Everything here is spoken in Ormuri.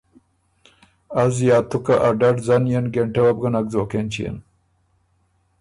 از یا تُو که ا ډډ ځنيېن ݭيې ګېنټۀ وه بو ګۀ نک ځوک اېنچيېن۔